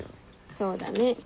そうだね。